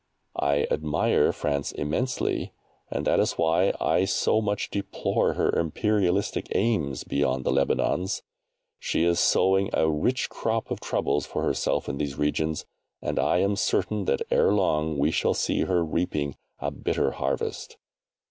I admire France immensely, and that is why I so much deplore her imperialistic aims beyond the Lebanons. She is sowing a rich crop of troubles for herself in these regions, and I am certain that ere long we shall see her reaping a bitter harvest.